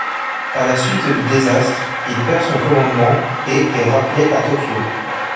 À la suite du désastre, il perd son commandement et est rappelé à Tokyo.